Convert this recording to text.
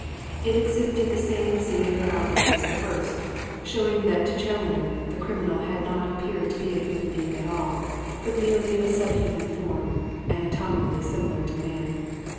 It exhibited the same singular outlook as the first, showing that to Challoner the criminal had not appeared to be a human being at all, but merely a sub human form, anatomically similar to man.